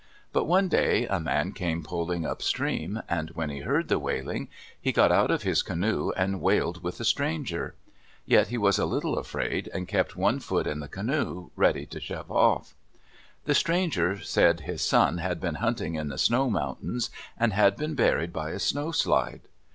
But one day a man came poling upstream, and when he heard the wailing, he got out of his canoe and wailed with the stranger. Yet he was a little afraid and kept one foot in the canoe, ready to shove off. The stranger said his son had been hunting in the snow mountains and had been buried by a snowslide.